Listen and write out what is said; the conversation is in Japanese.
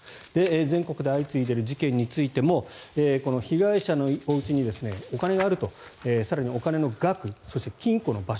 全国で相次いでいる事件についてもこの被害者のおうちにお金があると更にお金の額、そして金庫の場所